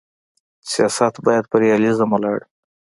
سیاست باید پر ریالیزم ولاړ وي.